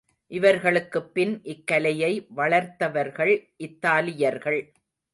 இவர்களுக்குப் பின் இக்கலையை வளர்த்தவர்கள் இத்தாலியர்கள்.